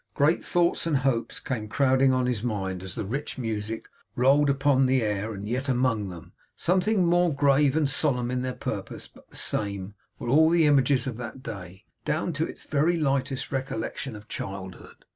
Great thoughts and hopes came crowding on his mind as the rich music rolled upon the air and yet among them something more grave and solemn in their purpose, but the same were all the images of that day, down to its very lightest recollection of childhood.